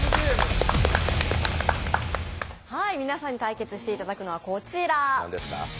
皆さんに対決していただくのは、こちら。